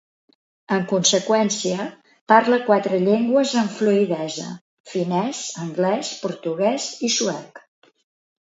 En conseqüència, parla quatre llengües amb fluïdesa: finès, anglès, portuguès i suec.